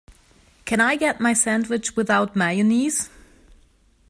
Can I get the sandwich without mayonnaise?